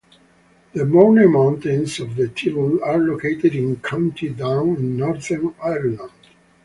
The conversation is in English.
The Mourne Mountains of the title are located in County Down in Northern Ireland.